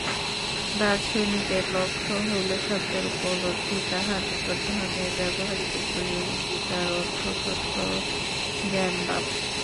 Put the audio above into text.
দার্শনিকের লক্ষ্য হইল সত্যের উপলব্ধি, তাঁহার নিকট ধর্মের ব্যবহারিক উপযোগিতার অর্থ তত্ত্বজ্ঞানলাভ।